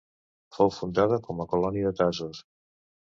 Fou fundada com a colònia de Tasos.